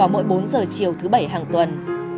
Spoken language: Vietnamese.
mỗi bốn giờ chiều thứ bảy hàng tuần